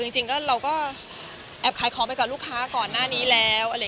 จริงเราก็แอบขายของไปกับลูกค้าก่อนหน้านี้แล้ว